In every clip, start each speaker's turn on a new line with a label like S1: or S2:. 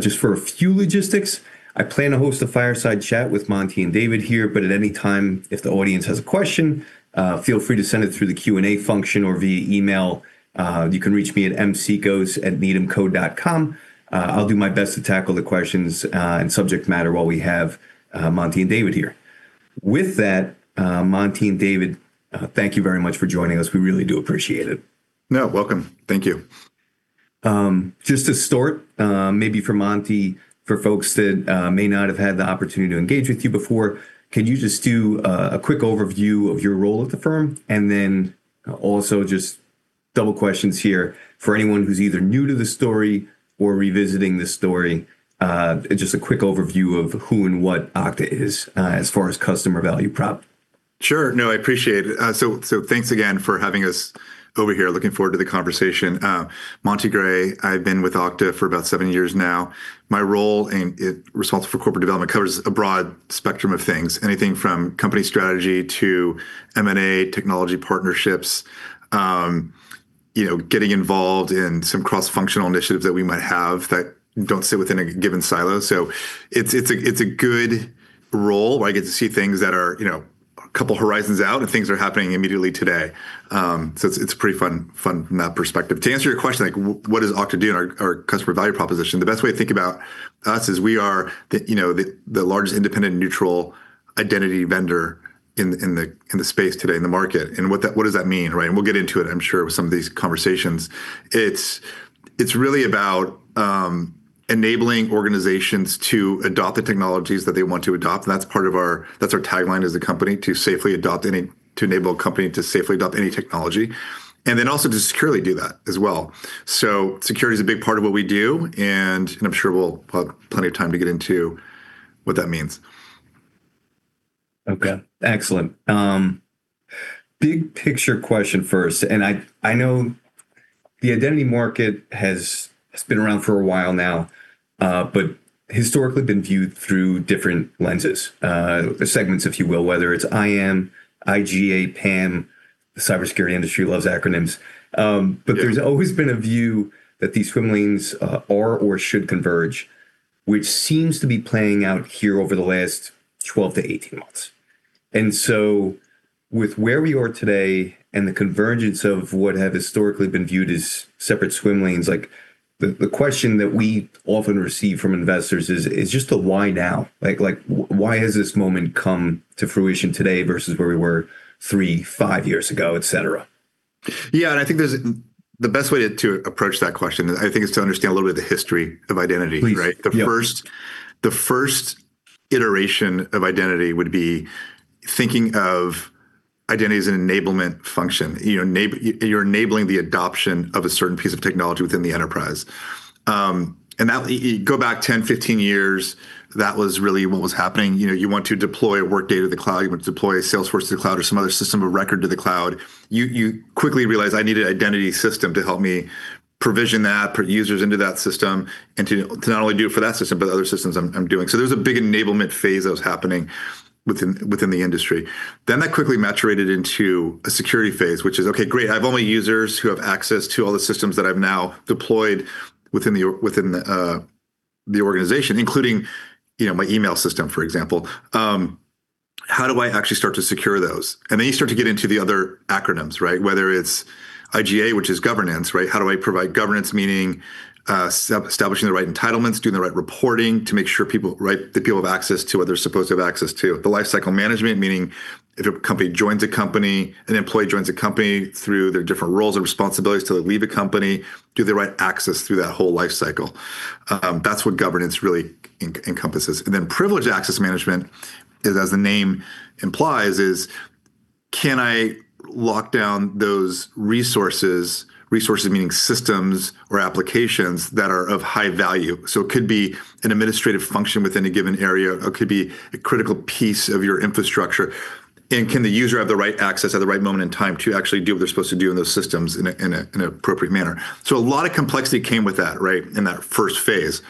S1: Just for a few logistics, I plan to host a fireside chat with Monty and David here, but at any time, if the audience has a question, feel free to send it through the Q&A function or via email. You can reach me at mcikos@needhamco.com. I'll do my best to tackle the questions and subject matter while we have Monty and David here. With that, Monty and David, thank you very much for joining us. We really do appreciate it.
S2: No, welcome. Thank you.
S1: Just to start, maybe for Monty, for folks that may not have had the opportunity to engage with you before, can you just do a quick overview of your role at the firm? And then also just double questions here for anyone who's either new to the story or revisiting the story. Just a quick overview of who and what Okta is, as far as customer value prop.
S2: Sure. No, I appreciate it. So, so thanks again for having us over here. Looking forward to the conversation. Monty Gray, I've been with Okta for about seven years now. My role in, in responsible for corporate development covers a broad spectrum of things, anything from company strategy to M&A technology partnerships, you know, getting involved in some cross-functional initiatives that we might have that don't sit within a given silo. So it's, it's a, it's a good role where I get to see things that are, you know, a couple horizons out and things are happening immediately today. So it's, it's pretty fun, fun from that perspective. To answer your question, like, what does Okta do in our, our customer value proposition? The best way to think about us is we are the, you know, the largest independent neutral identity vendor in the space today in the market. And what that, what does that mean? Right. And we'll get into it, I'm sure, with some of these conversations. It's really about enabling organizations to adopt the technologies that they want to adopt. And that's part of our, that's our tagline as a company, to safely adopt any, to enable a company to safely adopt any technology, and then also to securely do that as well. So security is a big part of what we do. And I'm sure we'll have plenty of time to get into what that means.
S1: Okay. Excellent. Big picture question first. And I, I know the identity market has, has been around for a while now, but historically been viewed through different lenses, segments, if you will, whether it's IAM, IGA, PAM. The cybersecurity industry loves acronyms. But there's always been a view that these swim lanes are or should converge, which seems to be playing out here over the last 12-18 months. And so with where we are today and the convergence of what have historically been viewed as separate swim lanes, like the question that we often receive from investors is just the why now? Like, why has this moment come to fruition today versus where we were three, five years ago, et cetera?
S2: Yeah. And I think there's the best way to, to approach that question, I think, is to understand a little bit of the history of identity, right? The first, the first iteration of identity would be thinking of identity as an enablement function. You know, enable, you're enabling the adoption of a certain piece of technology within the enterprise. And that, you go back 10, 15 years, that was really what was happening. You know, you want to deploy Workday to the cloud, you want to deploy Salesforce to the cloud or some other system of record to the cloud. You, you quickly realize I need an identity system to help me provision that, put users into that system, and to, to not only do it for that system, but other systems I'm, I'm doing. So there was a big enablement phase that was happening within, within the industry. Then that quickly matured into a security phase, which is, okay, great. I have all my users who have access to all the systems that I've now deployed within the organization, including, you know, my email system, for example. How do I actually start to secure those? And then you start to get into the other acronyms, right? Whether it's IGA, which is governance, right? How do I provide governance, meaning, establishing the right entitlements, doing the right reporting to make sure people, right, that people have access to what they're supposed to have access to? The lifecycle management, meaning an employee joins a company through their different roles and responsibilities till they leave a company, do they right access through that whole lifecycle? That's what governance really encompasses. And then privileged access management is, as the name implies, can I lock down those resources, resources meaning systems or applications that are of high value? So it could be an administrative function within a given area, or it could be a critical piece of your infrastructure. And can the user have the right access at the right moment in time to actually do what they're supposed to do in those systems in an appropriate manner? So a lot of complexity came with that, right? In that first phase.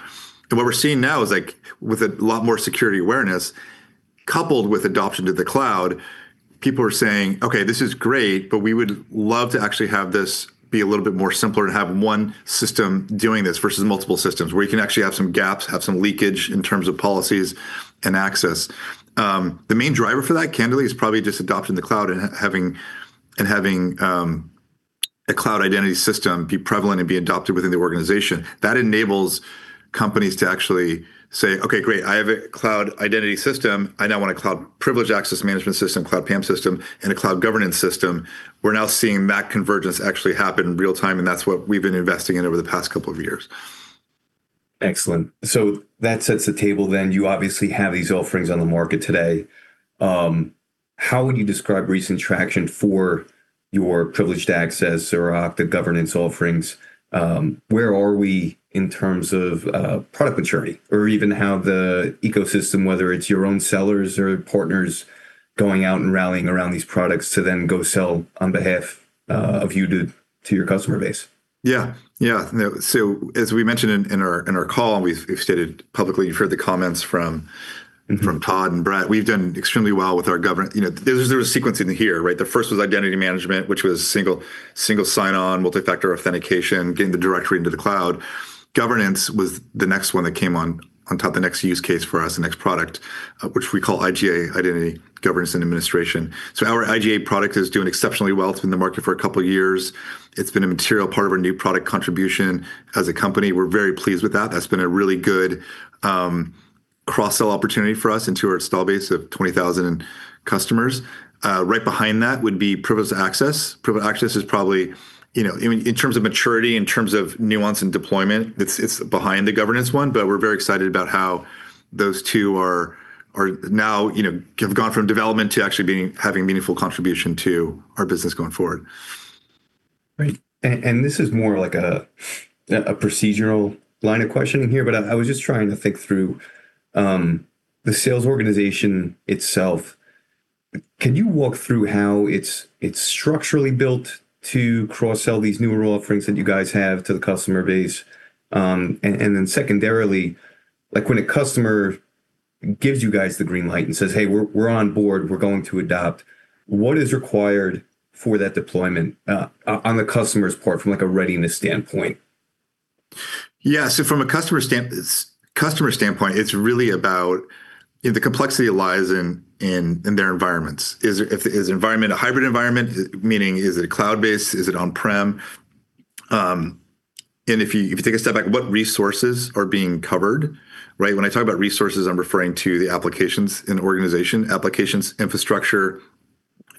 S2: What we're seeing now is like, with a lot more security awareness coupled with adoption to the cloud, people are saying, okay, this is great, but we would love to actually have this be a little bit more simpler and have one system doing this versus multiple systems where you can actually have some gaps, have some leakage in terms of policies and access. The main driver for that, candidly, is probably just adopting the cloud and having a cloud identity system be prevalent and be adopted within the organization. That enables companies to actually say, okay, great, I have a cloud identity system. I now want a cloud privileged access management system, cloud PAM system, and a cloud governance system. We're now seeing that convergence actually happen in real time. That's what we've been investing in over the past couple of years.
S1: Excellent. So that sets the table. Then you obviously have these offerings on the market today. How would you describe recent traction for your privileged access or Okta governance offerings? Where are we in terms of product maturity or even how the ecosystem, whether it's your own sellers or partners going out and rallying around these products to then go sell on behalf of you to your customer base?
S2: Yeah. So as we mentioned in our call, and we've stated publicly, you've heard the comments from Todd and Brett. We've done extremely well with our governance. You know, there's a sequence in here, right? The first was identity management, which was single sign-on, multi-factor authentication, getting the directory into the cloud. Governance was the next one that came on top of the next use case for us, the next product, which we call IGA identity governance and administration. So our IGA product has done exceptionally well through the market for a couple of years. It's been a material part of our new product contribution as a company. We're very pleased with that. That's been a really good cross-sell opportunity for us into our installed base of 20,000 customers. Right behind that would be privileged access. Privileged access is probably, you know, in terms of maturity, in terms of nuance and deployment, it's behind the governance one, but we're very excited about how those two are now, you know, have gone from development to actually being, having meaningful contribution to our business going forward.
S1: Right. This is more like a procedural line of questioning here, but I was just trying to think through the sales organization itself. Can you walk through how it's structurally built to cross-sell these newer offerings that you guys have to the customer base, and then secondarily, like when a customer gives you guys the green light and says, hey, we're on board, we're going to adopt, what is required for that deployment, on the customer's part from like a readiness standpoint?
S2: Yeah. So from a customer standpoint, it's really about, you know, the complexity lies in their environments. Is it a hybrid environment? Meaning, is it cloud-based? Is it on-prem? And if you take a step back, what resources are being covered, right? When I talk about resources, I'm referring to the applications in the organization, applications, infrastructure,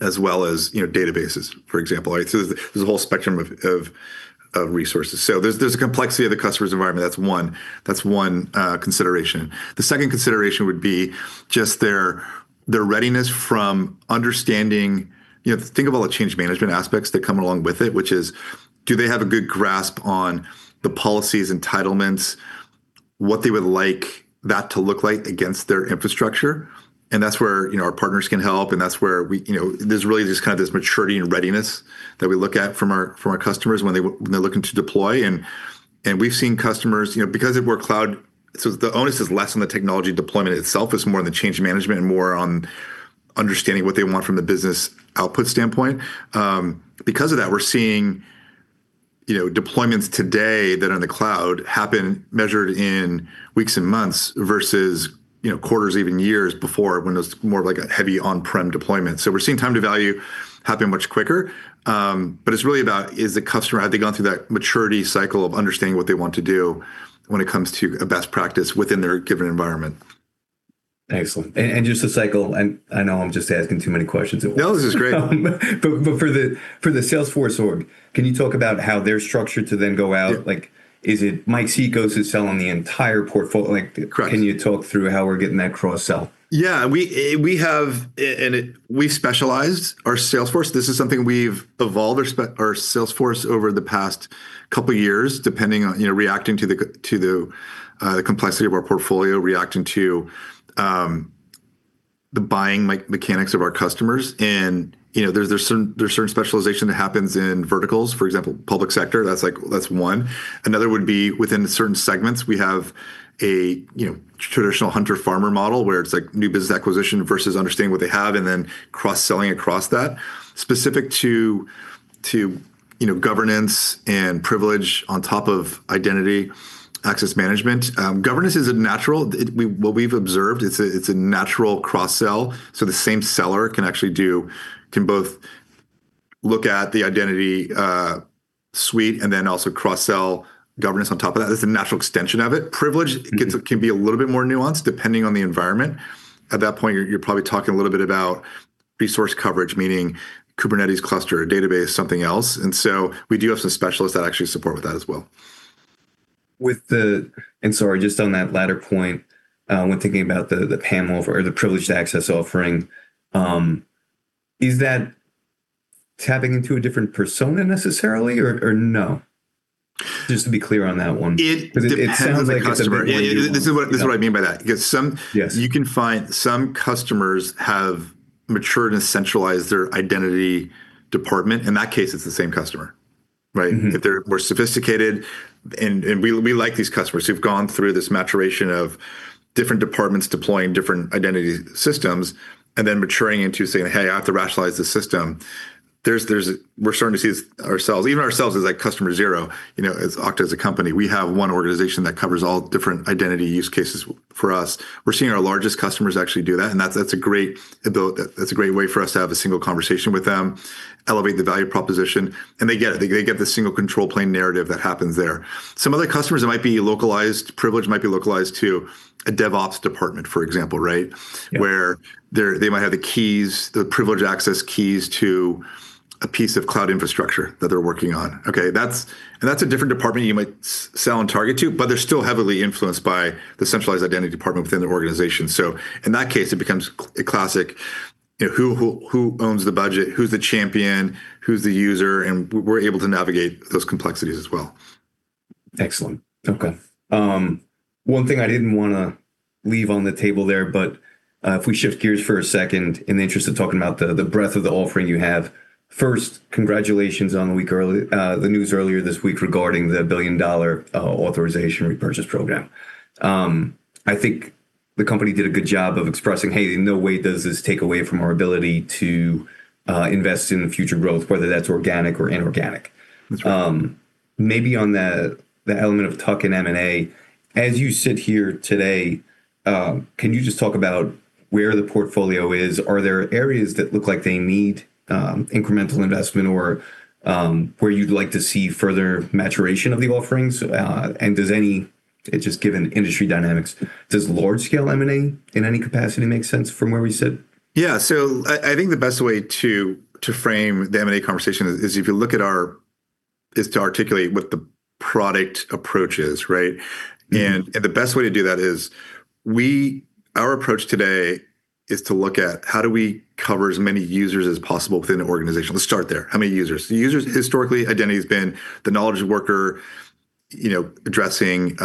S2: as well as, you know, databases, for example, right? So there's a whole spectrum of resources. So there's a complexity of the customer's environment. That's one consideration. The second consideration would be just their readiness from understanding, you know, think of all the change management aspects that come along with it, which is, do they have a good grasp on the policies, entitlements, what they would like that to look like against their infrastructure? That's where, you know, our partners can help. That's where we, you know, there's really just kind of this maturity and readiness that we look at from our customers when they're looking to deploy. We've seen customers, you know, because if we're cloud, so the onus is less on the technology deployment itself. It's more on the change management and more on understanding what they want from the business output standpoint. Because of that, we're seeing, you know, deployments today that are in the cloud happen measured in weeks and months versus, you know, quarters, even years before when it's more of like a heavy on-prem deployment. We're seeing time to value happen much quicker. But it's really about, is the customer, have they gone through that maturity cycle of understanding what they want to do when it comes to a best practice within their given environment?
S1: Excellent. Just to cycle, I know I'm just asking too many questions.
S2: No, this is great.
S1: But for the Salesforce org, can you talk about how they're structured to then go out? Like, is it Mike Cikos to sell on the entire portfolio? Like, can you talk through how we're getting that cross-sell?
S2: Yeah, we have, and we specialized our sales force. This is something we've evolved our sales force over the past couple of years, depending on, you know, reacting to the complexity of our portfolio, reacting to the buying mechanics of our customers. And, you know, there's certain specialization that happens in verticals, for example, public sector. That's one. Another would be within certain segments, we have you know traditional hunter farmer model where it's like new business acquisition versus understanding what they have and then cross-selling across that specific to you know governance and privileged on top of identity access management. Governance is a natural cross-sell. What we've observed, it's a natural cross-sell. So the same seller can actually do both look at the identity suite and then also cross-sell governance on top of that. There's a natural extension of it. Privilege can be a little bit more nuanced depending on the environment. At that point, you're probably talking a little bit about resource coverage, meaning Kubernetes cluster, database, something else. And so we do have some specialists that actually support with that as well.
S1: With that, and sorry, just on that latter point, when thinking about the PAM offering or the privileged access offering, is that tapping into a different persona necessarily or no? Just to be clear on that one.
S2: It sounds like it's a. This is what I mean by that. Because you can find some customers have matured and centralized their identity department. In that case, it's the same customer, right? If they're more sophisticated and we like these customers who've gone through this maturation of different departments deploying different identity systems and then maturing into saying, hey, I have to rationalize the system. We're starting to see ourselves, even ourselves as like customer zero, you know, as Okta as a company, we have one organization that covers all different identity use cases for us. We're seeing our largest customers actually do that. And that's a great ability. That's a great way for us to have a single conversation with them, elevate the value proposition. And they get the single control plane narrative that happens there. Some other customers that might be localized, privilege might be localized to a DevOps department, for example, right? Where they might have the keys, the privileged access keys to a piece of cloud infrastructure that they're working on. Okay. And that's a different department you might sell and target to, but they're still heavily influenced by the centralized identity department within the organization. In that case, it becomes a classic, you know, who, who, who owns the budget, who's the champion, who's the user, and we're able to navigate those complexities as well.
S1: Excellent. Okay. One thing I didn't want to leave on the table there, but if we shift gears for a second in the interest of talking about the breadth of the offering you have, first, congratulations on the week-early news earlier this week regarding the $1 billion authorization repurchase program. I think the company did a good job of expressing, hey, in no way does this take away from our ability to invest in future growth, whether that's organic or inorganic. Maybe on that element of tuck-in M&A, as you sit here today, can you just talk about where the portfolio is? Are there areas that look like they need incremental investment or where you'd like to see further maturation of the offerings? And does any, just given industry dynamics, does large scale M&A in any capacity make sense from where we sit?
S2: Yeah. So I think the best way to frame the M&A conversation is to articulate what the product approach is, right? And the best way to do that is our approach today is to look at how do we cover as many users as possible within the organization. Let's start there. How many users? The users historically, identity has been the knowledge worker, you know, addressing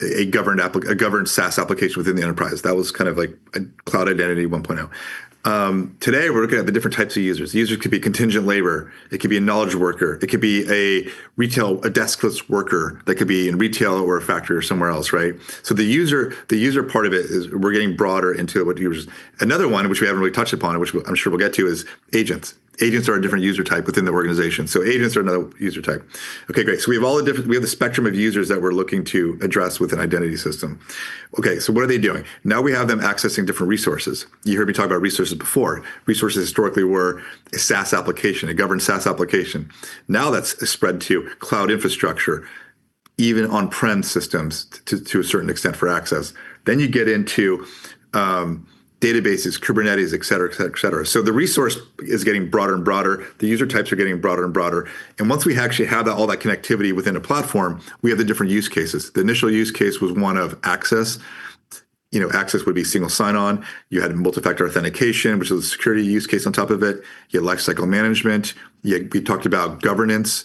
S2: a governed app, a governed SaaS application within the enterprise. That was kind of like a Cloud Identity 1.0. Today we're looking at the different types of users. Users could be contingent labor. It could be a knowledge worker. It could be a retail, a deskless worker that could be in retail or a factory or somewhere else, right? So the user part of it is we're getting broader into what users. Another one, which we haven't really touched upon, which I'm sure we'll get to, is agents. Agents are a different user type within the organization. So agents are another user type. Okay, great. So we have the spectrum of users that we're looking to address with an identity system. Okay. So what are they doing? Now we have them accessing different resources. You heard me talk about resources before. Resources historically were a SaaS application, a governed SaaS application. Now that's spread to cloud infrastructure, even on-prem systems to a certain extent for access. Then you get into databases, Kubernetes, et cetera, et cetera, et cetera. So the resource is getting broader and broader. The user types are getting broader and broader. Once we actually have all that connectivity within a platform, we have the different use cases. The initial use case was one of access. You know, access would be single sign-on. You had multi-factor authentication, which was a security use case on top of it. You had lifecycle management. You, we talked about governance,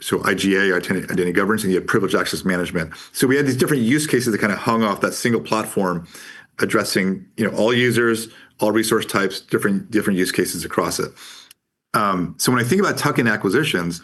S2: so IGA, identity governance, and you have privileged access management, so we had these different use cases that kind of hung off that single platform addressing, you know, all users, all resource types, different, different use cases across it. When I think about tuck-in acquisitions,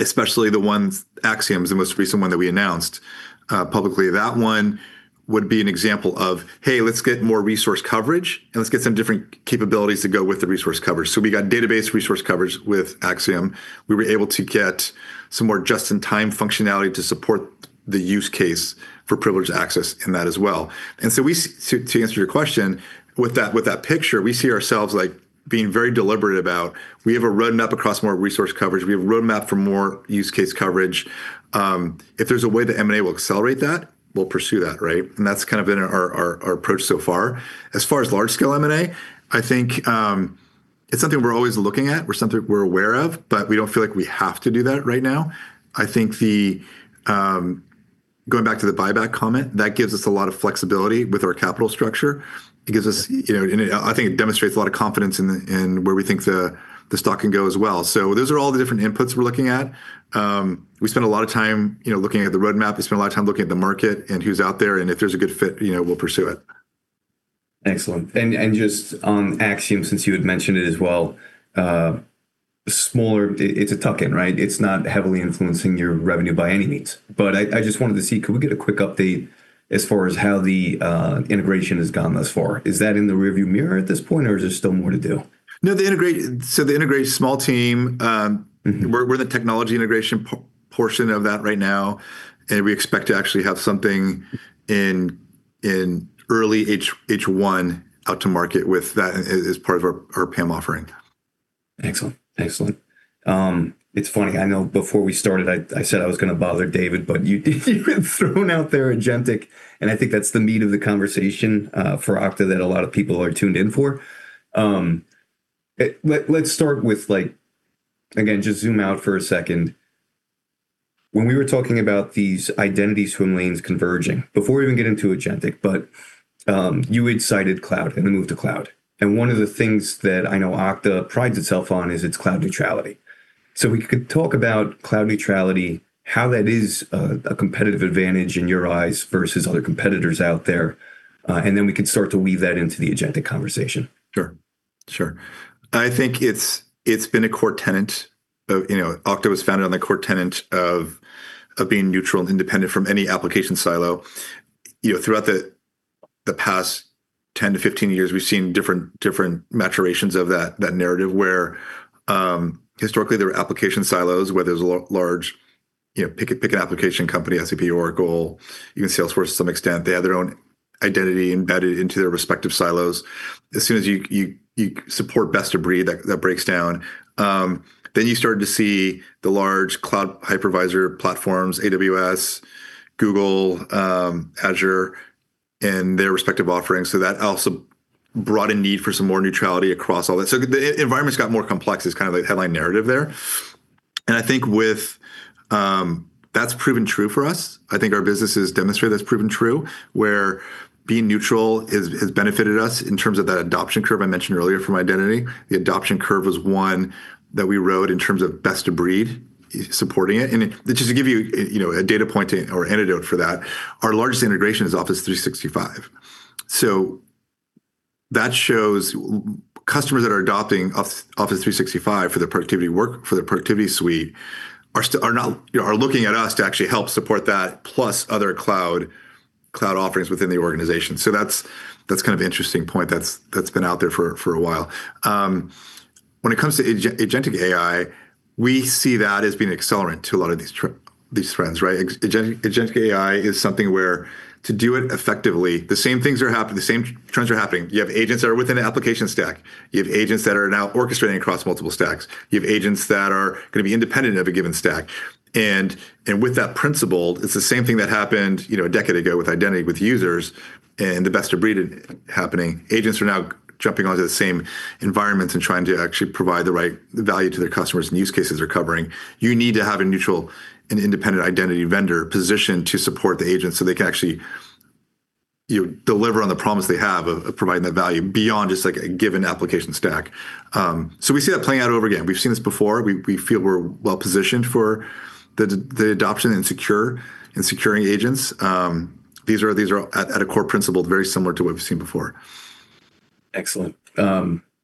S2: especially the ones, Axiom's the most recent one that we announced publicly, that one would be an example of, hey, let's get more resource coverage and let's get some different capabilities to go with the resource coverage, so we got database resource coverage with Axiom. We were able to get some more Just-in-Time functionality to support the use case for privileged access in that as well, and so we, to answer your question with that picture, see ourselves like being very deliberate about we have a roadmap across more resource coverage. We have a roadmap for more use case coverage. If there's a way that M&A will accelerate that, we'll pursue that, right? And that's kind of been our approach so far. As far as large scale M&A, I think it's something we're always looking at. It's something we're aware of, but we don't feel like we have to do that right now. I think, going back to the buyback comment, that gives us a lot of flexibility with our capital structure. It gives us, you know, and I think it demonstrates a lot of confidence in where we think the stock can go as well. So those are all the different inputs we're looking at. We spend a lot of time, you know, looking at the roadmap. We spend a lot of time looking at the market and who's out there. And if there's a good fit, you know, we'll pursue it.
S1: Excellent. And just on Axiom, since you had mentioned it as well, smaller, it's a tuck in, right? It's not heavily influencing your revenue by any means. But I just wanted to see, could we get a quick update as far as how the integration has gone thus far? Is that in the rearview mirror at this point or is there still more to do?
S2: No, the integration, so the integration small team. We're in the technology integration portion of that right now, and we expect to actually have something in early H1 out to market with that as part of our PAM offering.
S1: Excellent. Excellent. It's funny. I know before we started, I, I said I was going to bother David, but you've been thrown out there agentic. And I think that's the meat of the conversation for Okta that a lot of people are tuned in for. Let's start with like, again, just zoom out for a second. When we were talking about these identity swim lanes converging before we even get into agentic, but you had cited cloud and the move to cloud. And one of the things that I know Okta prides itself on is its cloud neutrality. So we could talk about cloud neutrality, how that is a competitive advantage in your eyes versus other competitors out there. And then we could start to weave that into the agentic conversation.
S2: Sure. I think it's been a core tenet of, you know, Okta was founded on the core tenet of being neutral and independent from any application silo. You know, throughout the past 10 to 15 years, we've seen different maturations of that narrative where historically there were application silos where there's a large, you know, pick an application company, SAP, Oracle, even Salesforce to some extent. They have their own identity embedded into their respective silos. As soon as you support best of breed, that breaks down. Then you started to see the large cloud hypervisor platforms, AWS, Google, Azure, and their respective offerings. So that also brought a need for some more neutrality across all that. So the environment's got more complex is kind of the headline narrative there. And I think that's proven true for us. I think our businesses demonstrate that's proven true where being neutral has benefited us in terms of that adoption curve I mentioned earlier from identity. The adoption curve was one that we wrote in terms of best of breed supporting it. And just to give you, you know, a data point or anecdote for that, our largest integration is Office 365. So that shows customers that are adopting Office 365 for the productivity work, for the productivity suite are still looking at us to actually help support that plus other cloud offerings within the organization. So that's kind of an interesting point. That's been out there for a while. When it comes to agentic AI, we see that as being an accelerant to a lot of these trends, right? Agentic AI is something where to do it effectively, the same things are happening, the same trends are happening. You have agents that are within the application stack. You have agents that are now orchestrating across multiple stacks. You have agents that are going to be independent of a given stack. And with that principle, it's the same thing that happened, you know, a decade ago with identity with users and the best of breed happening. Agents are now jumping onto the same environments and trying to actually provide the right value to their customers and use cases are covering. You need to have a neutral and independent identity vendor positioned to support the agents so they can actually, you know, deliver on the promise they have of providing that value beyond just like a given application stack. So we see that playing out over again. We've seen this before. We feel we're well positioned for the adoption and securing agents. These are at a core principle very similar to what we've seen before.
S1: Excellent.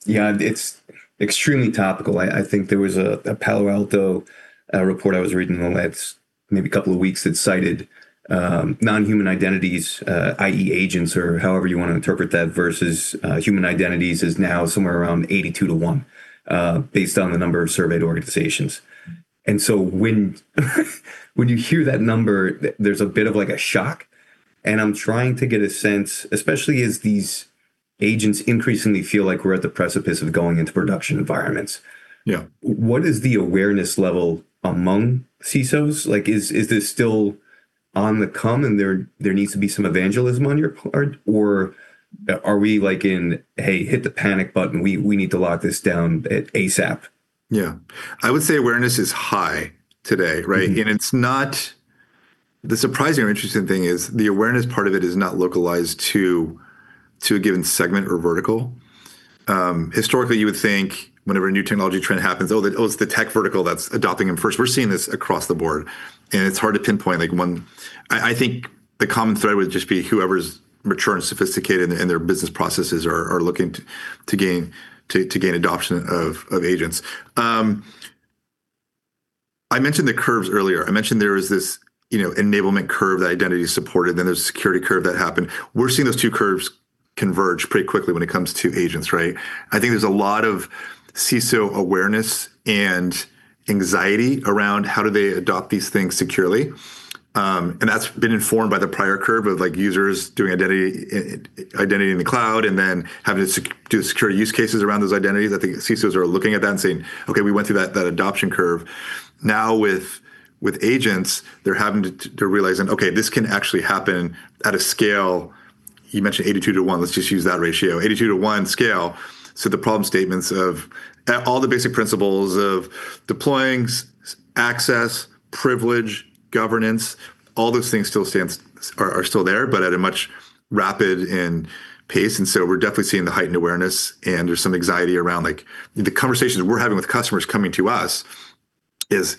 S1: Yeah, it's extremely topical. I think there was a Palo Alto report I was reading in the last maybe a couple of weeks that cited non-human identities, i.e., agents or however you want to interpret that versus human identities is now somewhere around 82 to 1, based on the number of surveyed organizations. And so when you hear that number, there's a bit of like a shock. And I'm trying to get a sense, especially as these agents increasingly feel like we're at the precipice of going into production environments.
S2: Yeah.
S1: What is the awareness level among CISOs? Like, is this still on the come up and there needs to be some evangelism on your part or are we like in, hey, hit the panic button, we need to lock this down ASAP?
S2: Yeah. I would say awareness is high today, right? And it's not. The surprising or interesting thing is the awareness part of it is not localized to a given segment or vertical. Historically you would think whenever a new technology trend happens, oh, it's the tech vertical that's adopting them first. We're seeing this across the board. And it's hard to pinpoint like one. I think the common thread would just be whoever's mature and sophisticated in their business processes are looking to gain adoption of agents. I mentioned the curves earlier. I mentioned there is this, you know, enablement curve that identity supported. Then there's a security curve that happened. We're seeing those two curves converge pretty quickly when it comes to agents, right? I think there's a lot of CISO awareness and anxiety around how do they adopt these things securely. That's been informed by the prior curve of like users doing identity, identity in the cloud and then having to do security use cases around those identities. I think CISOs are looking at that and saying, okay, we went through that adoption curve. Now with agents, they're having to realize that, okay, this can actually happen at a scale. You mentioned 82 to 1. Let's just use that ratio, 82 to 1 scale. So the problem statements of all the basic principles of deploying, access, privilege, governance, all those things still stand, are still there, but at a much rapid and pace. And so we're definitely seeing the heightened awareness and there's some anxiety around like the conversations we're having with customers coming to us is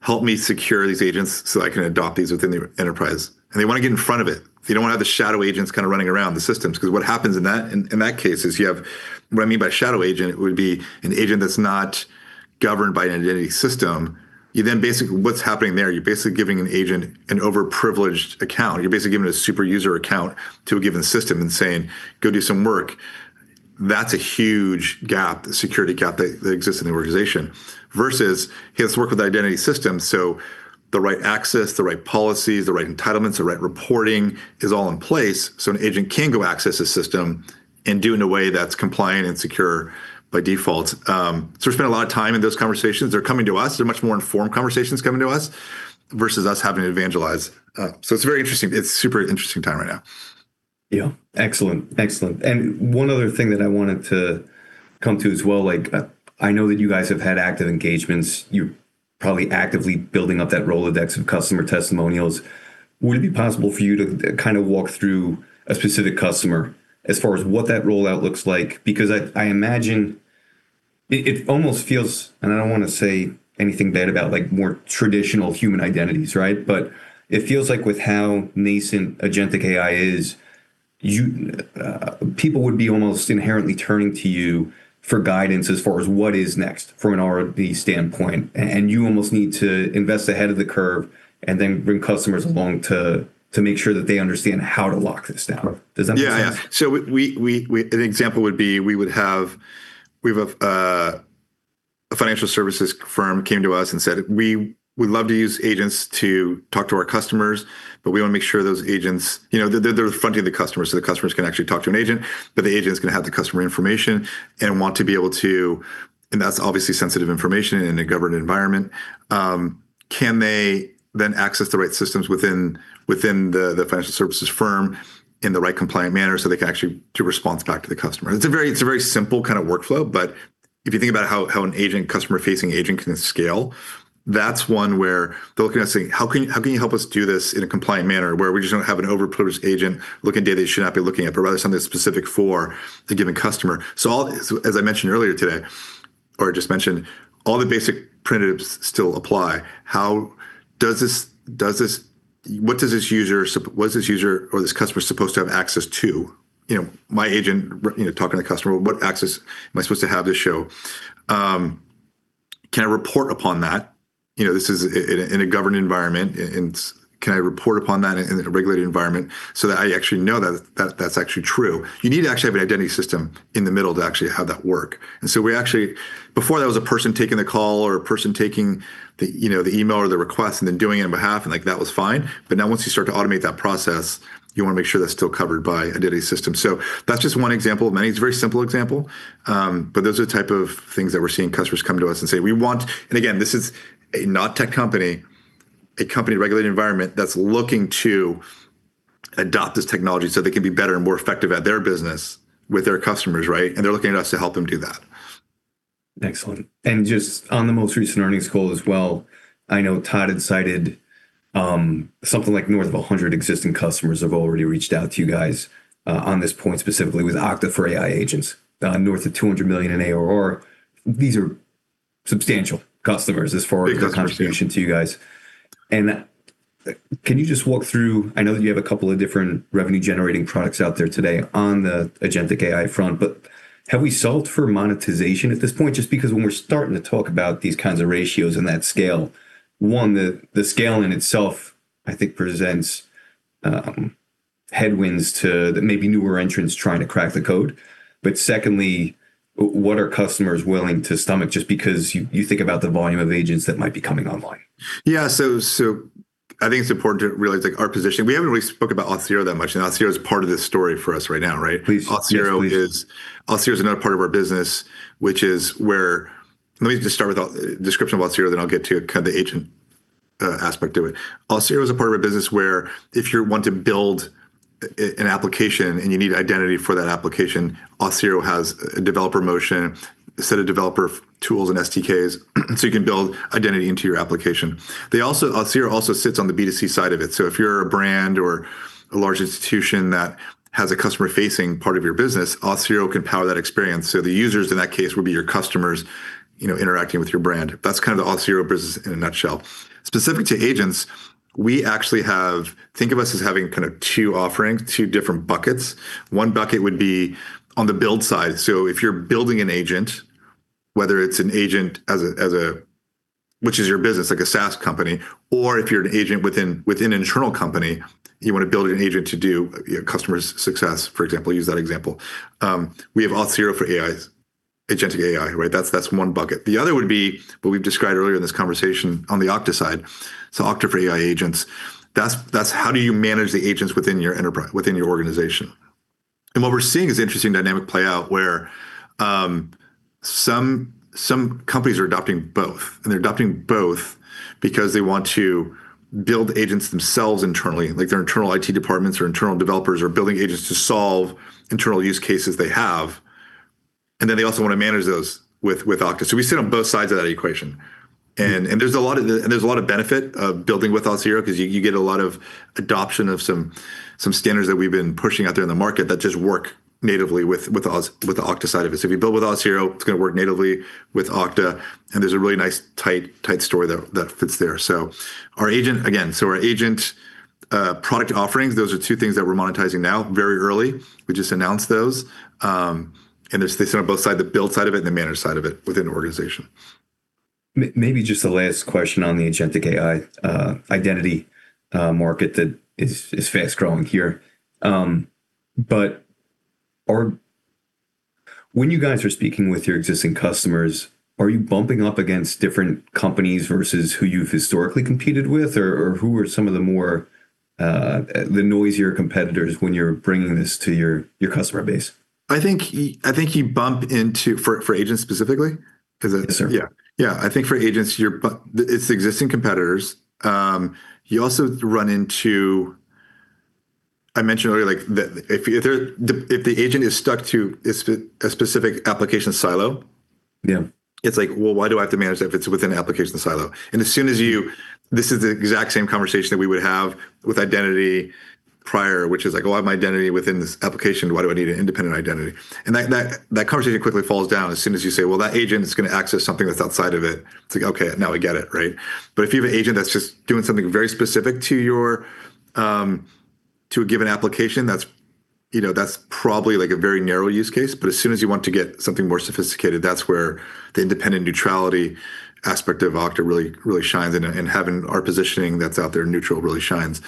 S2: help me secure these agents so I can adopt these within the enterprise. And they want to get in front of it. They don't want to have the shadow agents kind of running around the systems. 'Cause what happens in that, in that case is you have what I mean by shadow agent would be an agent that's not governed by an identity system. You then basically, what's happening there, you're basically giving an agent an overprivileged account. You're basically giving a super user account to a given system and saying, go do some work. That's a huge gap, the security gap that exists in the organization versus, hey, let's work with the identity system. So the right access, the right policies, the right entitlements, the right reporting is all in place. So an agent can go access a system and do it in a way that's compliant and secure by default. So we've spent a lot of time in those conversations. They're coming to us. They're much more informed conversations coming to us versus us having to evangelize. So it's a very interesting, it's super interesting time right now.
S1: Yeah. Excellent. Excellent. And one other thing that I wanted to come to as well, like I know that you guys have had active engagements. You're probably actively building up that Rolodex of customer testimonials. Would it be possible for you to kind of walk through a specific customer as far as what that rollout looks like? Because I imagine it almost feels, and I don't want to say anything bad about like more traditional human identities, right? But it feels like with how nascent agentic AI is, you, people would be almost inherently turning to you for guidance as far as what is next from an R&D standpoint. And you almost need to invest ahead of the curve and then bring customers along to make sure that they understand how to lock this down. Does that make sense?
S2: Yeah. So an example would be we have a financial services firm came to us and said, we'd love to use agents to talk to our customers, but we want to make sure those agents, you know, they're fronting the customers so the customers can actually talk to an agent, but the agent's going to have the customer information and want to be able to, and that's obviously sensitive information in a governed environment. Can they then access the right systems within the financial services firm in the right compliant manner so they can actually do response back to the customer? It's a very simple kind of workflow, but if you think about how an agent, customer facing agent can scale, that's one where they're looking at saying, how can you help us do this in a compliant manner where we just don't have an overprivileged agent looking at data they should not be looking at, but rather something specific for a given customer. So, as I mentioned earlier today, or I just mentioned, all the basic primitives still apply. How does this, what does this user or this customer supposed to have access to? You know, my agent, you know, talking to the customer, what access am I supposed to have to show? Can I report upon that? You know, this is in a governed environment and can I report upon that in a regulated environment so that I actually know that that's actually true? You need to actually have an identity system in the middle to actually have that work. And so we actually, before that was a person taking the call or a person taking the, you know, the email or the request and then doing it on behalf and like that was fine. But now once you start to automate that process, you want to make sure that's still covered by identity system. So that's just one example of many. It's a very simple example. But those are the type of things that we're seeing customers come to us and say, "we want," and again, this is a non-tech company in a regulated environment that's looking to adopt this technology so they can be better and more effective at their business with their customers, right? And they're looking at us to help them do that.
S1: Excellent, and just on the most recent earnings call as well. I know Todd had cited something like north of a hundred existing customers have already reached out to you guys on this point specifically with Okta for AI Agents, north of $200 million in ARR. These are substantial customers as far as the contribution to you guys. Can you just walk through? I know that you have a couple of different revenue generating products out there today on the agentic AI front, but have we solved for monetization at this point? Just because when we're starting to talk about these kinds of ratios and that scale, one, the scale in itself, I think presents headwinds to the maybe newer entrants trying to crack the code. But secondly, what are customers willing to stomach just because you think about the volume of agents that might be coming online?
S2: Yeah. So, so I think it's important to realize like our position. We haven't really spoke about Auth0 that much and Auth0 is part of this story for us right now, right? Auth0 is another part of our business, which is where, let me just start with a description of Auth0, then I'll get to kind of the agent aspect of it. Auth0 is a part of our business where if you want to build an application and you need identity for that application, Auth0 has a developer motion, a set of developer tools and SDKs. So you can build identity into your application. They also, Auth0 also sits on the B2C side of it. So if you're a brand or a large institution that has a customer facing part of your business, Auth0 can power that experience. So the users in that case would be your customers, you know, interacting with your brand. That's kind of the Auth0 business in a nutshell. Specific to agents, we actually have, think of us as having kind of two offerings, two different buckets. One bucket would be on the build side. So if you're building an agent, whether it's an agent as a, which is your business, like a SaaS company, or if you're an agent within an internal company, you want to build an agent to do customer success, for example, use that example. We have Auth0 for AI, agentic AI, right? That's one bucket. The other would be what we've described earlier in this conversation on the Okta side. So Okta for AI Agents, that's how do you manage the agents within your enterprise, within your organization. And what we're seeing is an interesting dynamic play out where some companies are adopting both because they want to build agents themselves internally, like their internal IT departments or internal developers are building agents to solve internal use cases they have. And then they also want to manage those with Okta. So we sit on both sides of that equation. And there's a lot of benefit of building with Auth0 because you get a lot of adoption of some standards that we've been pushing out there in the market that just work natively with Auth0, with the Okta side of it. So if you build with Auth0, it's going to work natively with Okta. And there's a really nice tight story that fits there. Our agent product offerings, those are two things that we're monetizing now very early. We just announced those. They sit on both sides, the build side of it and the manage side of it within the organization.
S1: Maybe just the last question on the agentic AI identity market that is fast growing here. But are, when you guys are speaking with your existing customers, are you bumping up against different companies versus who you've historically competed with or who are some of the more, the noisier competitors when you're bringing this to your customer base?
S2: I think you bump into for agents specifically.
S1: Yes, sir.
S2: Yeah. I think for agents, you run up against existing competitors. You also run into, I mentioned earlier, like that if the agent is stuck to a specific application silo.
S1: Yeah.
S2: It's like, well, why do I have to manage that if it's within an application silo? And as soon as you, this is the exact same conversation that we would have with identity prior, which is like, well, I have my identity within this application. Why do I need an independent identity? And that conversation quickly falls down as soon as you say, well, that agent is going to access something that's outside of it. It's like, okay, now I get it, right? But if you have an agent that's just doing something very specific to a given application, that's, you know, that's probably like a very narrow use case. But as soon as you want to get something more sophisticated, that's where the independent neutrality aspect of Okta really, really shines in and having our positioning that's out there neutral really shines.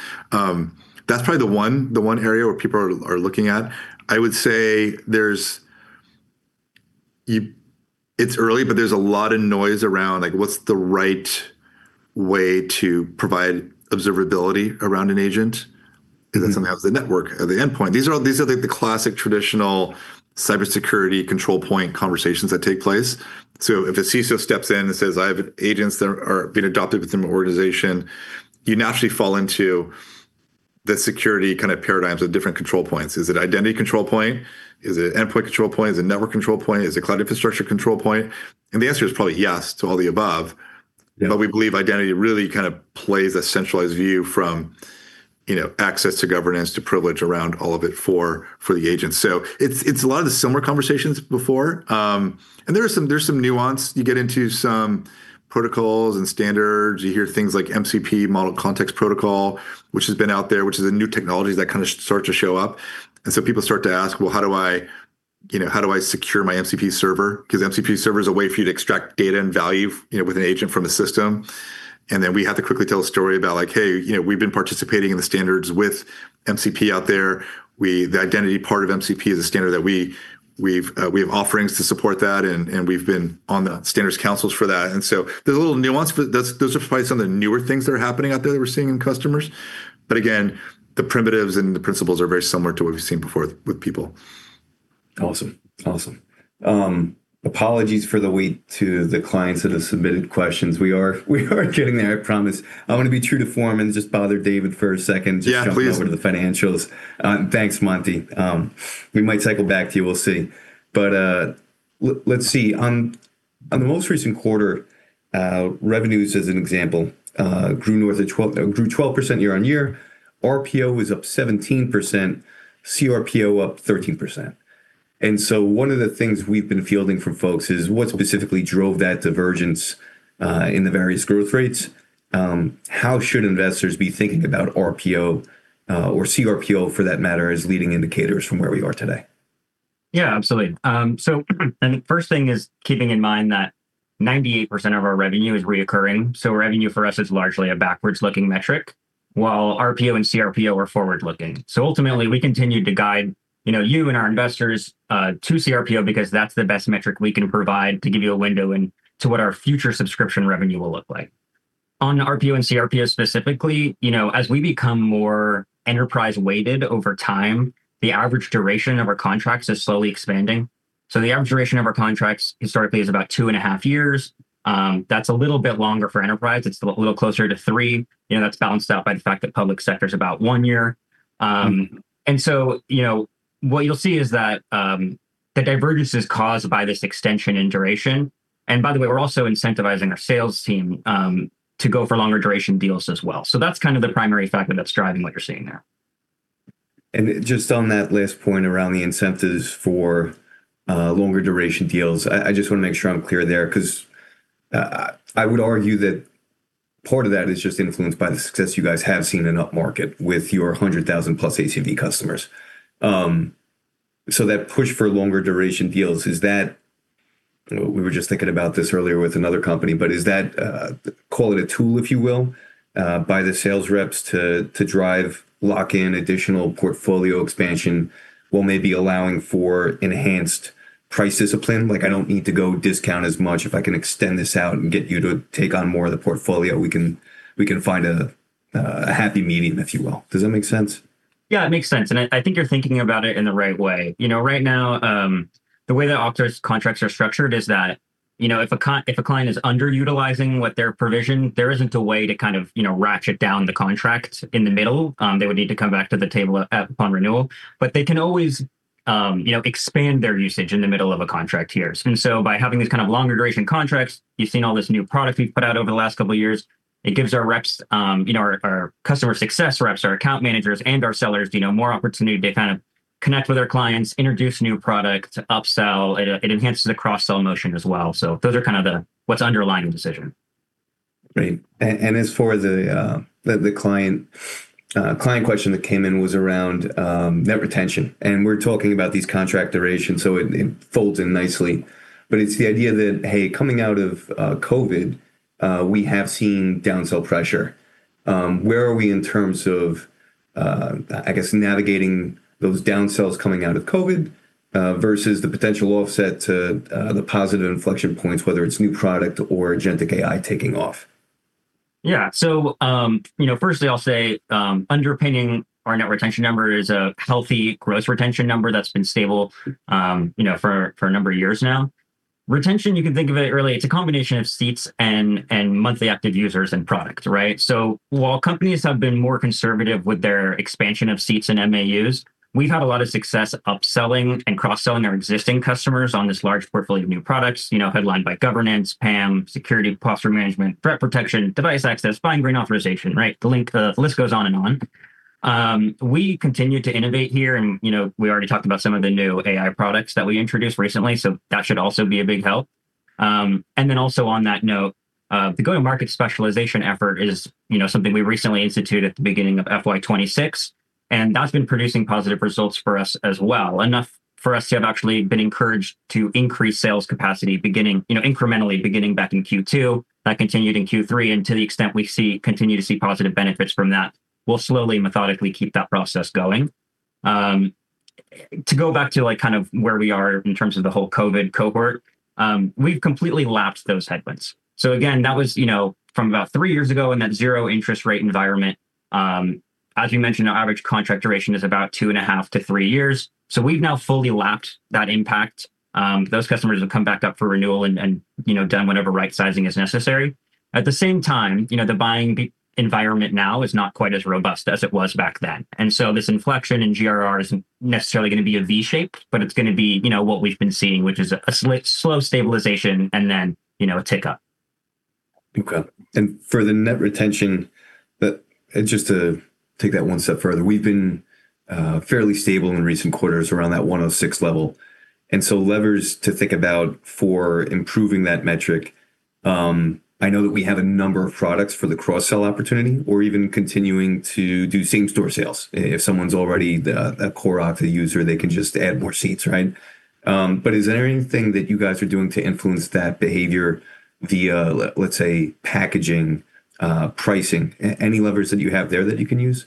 S2: That's probably the one area where people are looking at. I would say there's, it's early, but there's a lot of noise around like what's the right way to provide observability around an agent? Is that something that's the network at the endpoint? These are all, these are like the classic traditional cybersecurity control point conversations that take place. So if a CISO steps in and says, I have agents that are being adopted within my organization, you naturally fall into the security kind of paradigms of different control points. Is it identity control point? Is it endpoint control point? Is it network control point? Is it cloud infrastructure control point? And the answer is probably yes to all the above. But we believe identity really kind of plays a centralized view from, you know, access to governance to privilege around all of it for, for the agent. So it's, it's a lot of the similar conversations before. And there are some, there's some nuance. You get into some protocols and standards. You hear things like MCP Model Context Protocol, which has been out there, which is a new technology that kind of starts to show up. And so people start to ask, well, how do I, you know, how do I secure my MCP server? Because MCP server is a way for you to extract data and value, you know, with an agent from the system. And then we have to quickly tell a story about like, hey, you know, we've been participating in the standards with MCP out there. The identity part of MCP is a standard that we have offerings to support that, and we've been on the standards councils for that, and so there's a little nuance for that. Those are probably some of the newer things that are happening out there that we're seeing in customers, but again, the primitives and the principles are very similar to what we've seen before with people.
S1: Awesome. Awesome. Apologies for the wait to the clients that have submitted questions. We are, we are getting there, I promise. I want to be true to form and just bother David for a second.
S2: Yeah, please.
S1: Over to the financials. Thanks, Monty. We might cycle back to you. We'll see. But let's see on the most recent quarter, revenues as an example, grew north of 12, grew 12% year on year. RPO was up 17%. cRPO up 13%. And so one of the things we've been fielding from folks is what specifically drove that divergence in the various growth rates. How should investors be thinking about RPO, or cRPO for that matter as leading indicators from where we are today?
S3: Yeah, absolutely. So the first thing is keeping in mind that 98% of our revenue is recurring. So revenue for us is largely a backward-looking metric, while RPO and cRPO are forward-looking. So ultimately we continue to guide, you know, you and our investors, to cRPO because that's the best metric we can provide to give you a window into what our future subscription revenue will look like. On RPO and cRPO specifically, you know, as we become more enterprise-weighted over time, the average duration of our contracts is slowly expanding. So the average duration of our contracts historically is about two and a half years. That's a little bit longer for enterprise. It's a little closer to three, you know, that's balanced out by the fact that public sector is about one year. And so, you know, what you'll see is that, the divergence is caused by this extension in duration. And by the way, we're also incentivizing our sales team to go for longer duration deals as well. So that's kind of the primary factor that's driving what you're seeing there.
S1: Just on that last point around the incentives for longer duration deals, I just want to make sure I'm clear there because I would argue that part of that is just influenced by the success you guys have seen in upmarket with your 100,000+ ACV customers. So that push for longer duration deals, is that—we were just thinking about this earlier with another company, but is that—call it a tool, if you will, by the sales reps to drive lock in additional portfolio expansion while maybe allowing for enhanced price discipline? Like I don't need to go discount as much if I can extend this out and get you to take on more of the portfolio. We can find a happy medium, if you will. Does that make sense?
S3: Yeah, it makes sense. And I think you're thinking about it in the right way. You know, right now, the way that Okta's contracts are structured is that, you know, if a client, if a client is underutilizing what their provision, there isn't a way to kind of, you know, ratchet down the contract in the middle. They would need to come back to the table upon renewal, but they can always, you know, expand their usage in the middle of a contract here. And so by having these kind of longer duration contracts, you've seen all this new product we've put out over the last couple of years. It gives our reps, you know, our customer success reps, our account managers, and our sellers, you know, more opportunity to kind of connect with our clients, introduce new products, upsell. It enhances the cross-sell motion as well. So those are kind of the what's underlying the decision.
S1: Great. And as for the client question that came in was around net retention. And we're talking about these contract durations, so it folds in nicely. But it's the idea that hey, coming out of COVID, we have seen downsell pressure. Where are we in terms of, I guess, navigating those downsells coming out of COVID, versus the potential offset to the positive inflection points, whether it's new product or agentic AI taking off?
S3: Yeah. So, you know, firstly I'll say, underpinning our net retention number is a healthy gross retention number that's been stable, you know, for a number of years now. Retention, you can think of it really, it's a combination of seats and monthly active users and product, right? So while companies have been more conservative with their expansion of seats and MAUs, we've had a lot of success upselling and cross-selling our existing customers on this large portfolio of new products, you know, headlined by governance, PAM, security, password management, threat protection, device access, fine-grain authorization, right? The lineup, the list goes on and on. We continue to innovate here and, you know, we already talked about some of the new AI products that we introduced recently, so that should also be a big help. And then also on that note, the go-to-market specialization effort is, you know, something we recently instituted at the beginning of FY26, and that's been producing positive results for us as well. Enough for us to have actually been encouraged to increase sales capacity beginning, you know, incrementally beginning back in Q2, that continued in Q3, and to the extent we see, continue to see positive benefits from that, we'll slowly methodically keep that process going. To go back to like kind of where we are in terms of the whole COVID cohort, we've completely lapped those headwinds. So again, that was, you know, from about three years ago in that zero interest rate environment. As you mentioned, our average contract duration is about two and a half to three years. So we've now fully lapped that impact. Those customers have come back up for renewal and, you know, done whatever right sizing is necessary. At the same time, you know, the buying environment now is not quite as robust as it was back then. And so this inflection in GRR isn't necessarily going to be a V-shape, but it's going to be, you know, what we've been seeing, which is a slow stabilization and then, you know, a tick up.
S1: Okay. And for the net retention, that just to take that one step further, we've been fairly stable in recent quarters around that 106 level. And so levers to think about for improving that metric. I know that we have a number of products for the cross-sell opportunity or even continuing to do same store sales. If someone's already a core Okta user, they can just add more seats, right? But is there anything that you guys are doing to influence that behavior via, let's say, packaging, pricing, any levers that you have there that you can use?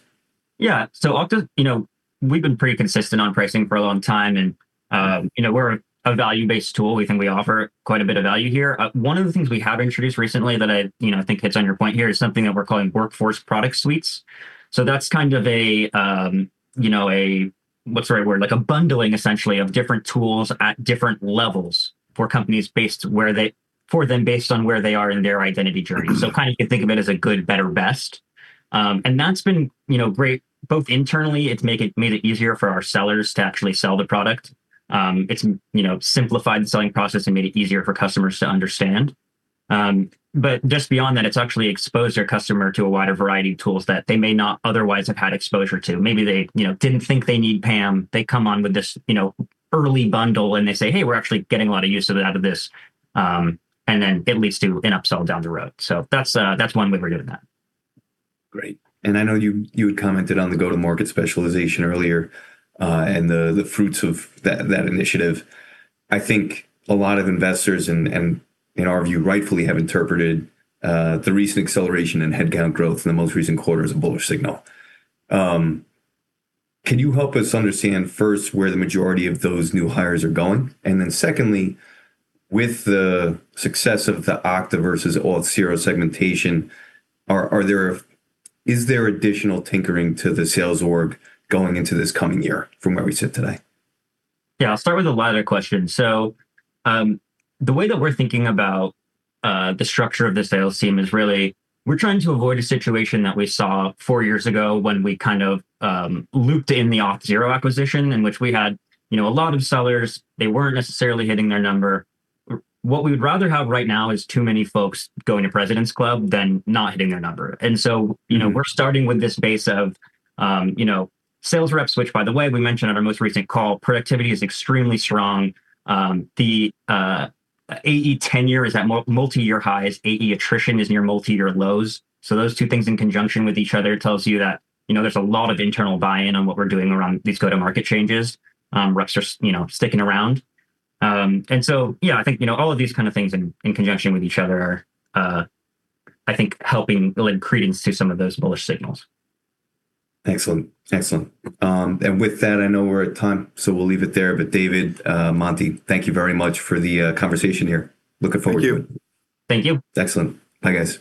S3: Yeah. So Okta, you know, we've been pretty consistent on pricing for a long time and, you know, we're a value-based tool. We think we offer quite a bit of value here. One of the things we have introduced recently that I, you know, I think hits on your point here is something that we're calling workforce product suites. So that's kind of a, you know, what's the right word, like a bundling essentially of different tools at different levels for companies based where they, for them based on where they are in their identity journey. So kind of you can think of it as a good, better, best. And that's been, you know, great both internally, it's made it easier for our sellers to actually sell the product. It's, you know, simplified the selling process and made it easier for customers to understand. But just beyond that, it's actually exposed our customer to a wider variety of tools that they may not otherwise have had exposure to. Maybe they, you know, didn't think they need PAM. They come on with this, you know, early bundle and they say, hey, we're actually getting a lot of use of it out of this. And then it leads to an upsell down the road. So that's, that's one way we're doing that.
S1: Great. And I know you had commented on the go-to-market specialization earlier, and the fruits of that initiative. I think a lot of investors and, in our view, rightfully have interpreted the recent acceleration in headcount growth in the most recent quarter as a bullish signal. Can you help us understand first where the majority of those new hires are going? And then secondly, with the success of the Okta versus Auth0 segmentation, are there, is there additional tinkering to the sales org going into this coming year from where we sit today?
S3: Yeah, I'll start with a latter question. So, the way that we're thinking about the structure of the sales team is really we're trying to avoid a situation that we saw four years ago when we kind of looped in the Auth0 acquisition in which we had, you know, a lot of sellers. They weren't necessarily hitting their number. What we would rather have right now is too many folks going to President's Club than not hitting their number. And so, you know, we're starting with this base of, you know, sales reps, which by the way, we mentioned on our most recent call, productivity is extremely strong. The AE tenure is at multi-year highs. AE attrition is near multi-year lows. So those two things in conjunction with each other tells you that, you know, there's a lot of internal buy-in on what we're doing around these go-to-market changes. Reps are, you know, sticking around. And so, yeah, I think, you know, all of these kind of things in conjunction with each other are, I think, helping lend credence to some of those bullish signals.
S1: Excellent. Excellent. And with that, I know we're at time, so we'll leave it there. But David, Monty, thank you very much for the, conversation here. Looking forward to it.
S2: Thank you.
S3: Thank you.
S1: Excellent. Bye guys.